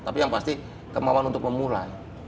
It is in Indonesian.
tapi yang pasti kemauan untuk memulai